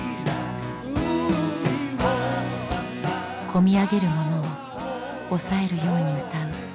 こみ上げるものを抑えるように歌う財津さん。